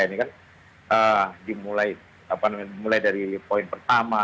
ini kan dimulai dari poin pertama